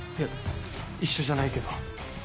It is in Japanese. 一緒じゃないけど。